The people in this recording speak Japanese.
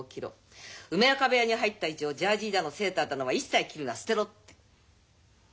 梅若部屋に入った以上ジャージだのセーターだのは一切着るな捨てろ」って。